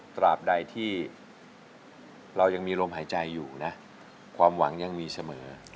ตราบใดที่เรายังมีลมหายใจอยู่นะความหวังยังมีเสมอ